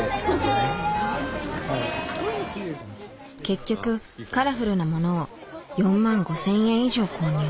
結局カラフルなものを４万５，０００円以上購入。